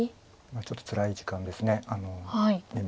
ちょっとつらい時間です。